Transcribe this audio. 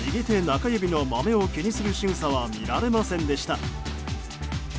中指のマメを気にするしぐさは見られませんでした。